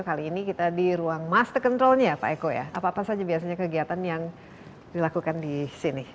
kali ini kita di ruang master controlnya pak eko ya apa apa saja biasanya kegiatan yang dilakukan di sini